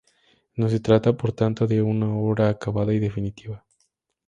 No se trata, por tanto, de una obra acabada y definitiva.